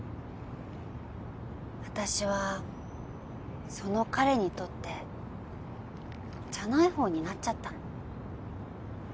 私はその彼にとってじゃない方になっちゃったの。